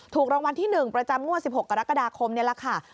ถูกรางวัลที่๑ประจำงวด๑๖กรกฎาคมนี่แหละค่ะ